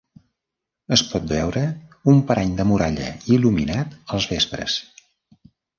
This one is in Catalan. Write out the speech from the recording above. Es pot veure un pany de muralla il·luminat els vespres.